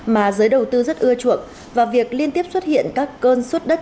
mà giới đầu tư rất ưa chuộng và việc liên tiếp xuất hiện các cơn sốt đất